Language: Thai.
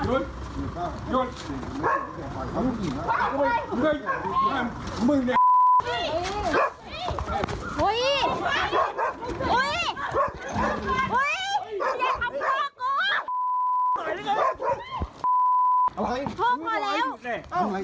อุ๊ยอย่าทำพ่อกลัว